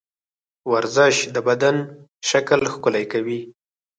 ورزش د بدن شکل ښکلی کوي.